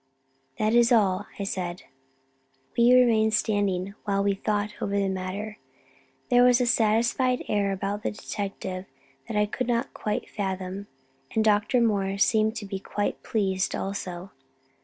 "That is all," I said. We remained standing while we thought over the matter. There was a satisfied air about the detective that I could not quite fathom, and Dr. Moore seemed to be quite pleased also.